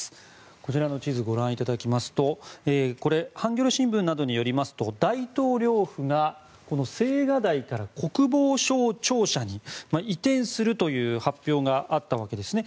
こちらの地図ご覧いただきますとハンギョレ新聞などによりますと大統領府がこの青瓦台から国防省庁舎に移転するという発表があったわけですね。